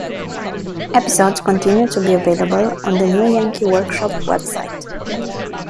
Episodes continue to be available on The New Yankee Workshop website.